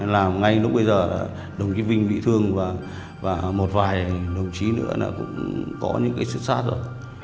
làm ngay lúc bây giờ là đồng chí vinh bị thương và một vài đồng chí nữa là cũng có những cái sự sát rồi